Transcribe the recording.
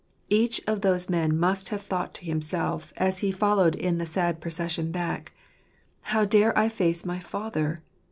Each of those men must have thought to himself, as he followed in the sad procession back, " How dare I face my father?